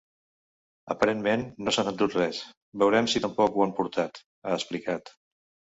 Aparentment no s’han endut res… veurem si tampoc ho han portat, ha explicat.